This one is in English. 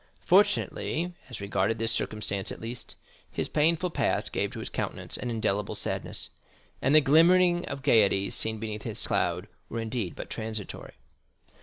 Fortunately, as regarded this circumstance at least, his painful past gave to his countenance an indelible sadness, and the glimmerings of gayety seen beneath this cloud were indeed but transitory.